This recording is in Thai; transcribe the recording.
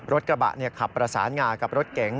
รถกระบะเนี่ยขับประสานงากับรถแก่ง